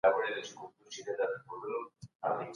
نور لیکوالان په دې اند دي چې دلته د دولت چارې لوستل کېږي.